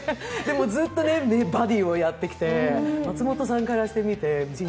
ずっと名バディをやってきて、松本さんにとっては？